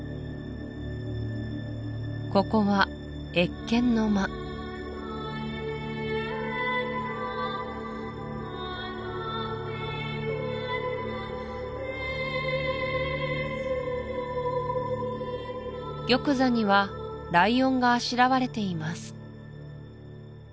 ここは謁見の間玉座にはライオンがあしらわれています